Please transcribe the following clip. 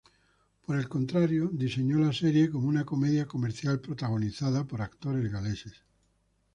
Por el contrario, diseñó la serie como una comedia comercial protagonizada por actores galeses.